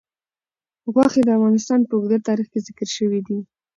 غوښې د افغانستان په اوږده تاریخ کې ذکر شوي دي.